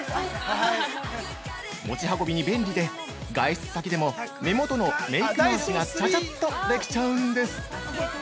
持ち運びに便利で、外出先でも目元のメイク直しがちゃちゃっとできちゃうんです。